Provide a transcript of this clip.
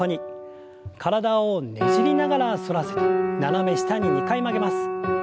体をねじりながら反らせて斜め下に２回曲げます。